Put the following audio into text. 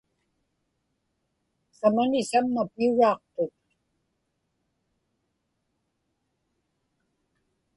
samani samma piuraaqtut